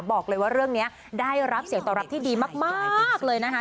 บอกเลยว่าเรื่องนี้ได้รับเสียงตอบรับที่ดีมากเลยนะคะ